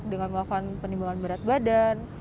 dengan melakukan penimbangan berat badan